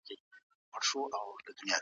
يووالي د ټولني د بقا راز دی.